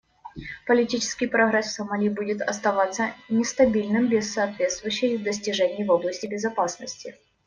Политический прогресс в Сомали будет оставаться нестабильным без соответствующих достижений в области безопасности.